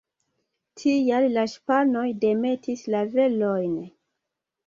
Tial la ŝipanoj demetis la velojn.